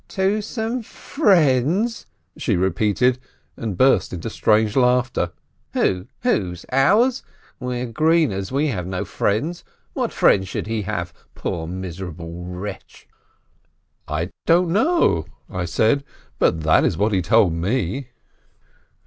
"To some friends?" she repeated, and burst into strange laughter. "Who? Whose? Ours? We're greeners, we are, we have no friends. What friends should he have, poor, miserable wretch ?" "I don't know," I said, "but that is what he told me."